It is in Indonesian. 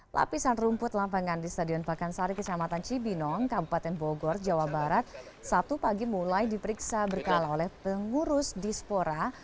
lapisan rumput lapangan di stadion pakansari kecamatan cibinong kabupaten bogor jawa barat sabtu pagi mulai diperiksa berkala oleh pengurus dispora